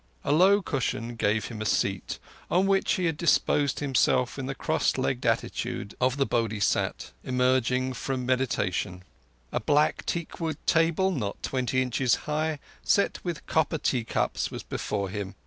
A low cushion gave him a seat, on which he had disposed himself in the cross legged attitude of the Bodhisat emerging from meditation; a black teak wood table, not twenty inches high, set with copper tea cups, was before him.